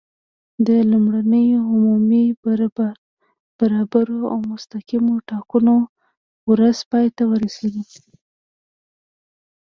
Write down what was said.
د لومړنیو عمومي، برابرو او مستقیمو ټاکنو ورځ پای ته ورسېده.